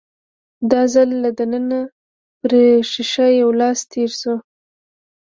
دا ځل له دننه پر ښيښه يو لاس تېر شو.